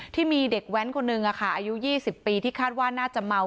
ที่มีเด็กแวนคนนึงอะค่ะอายุยี่สิบปีที่คาดว่าน่าจะเมา